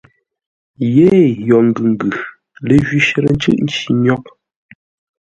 Yêee yo ngʉ ngʉ, ləjwi shərə ncʉ́ʼ nci nyôghʼ.